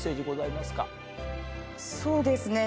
そうですねぇ。